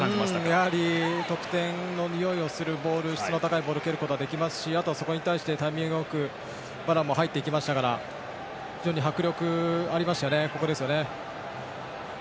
やはり得点のにおいがする質の高いボールを蹴ることができますしあとはそこに対しタイミングよくバランも入っていきましたから非常に迫力がありましたよね。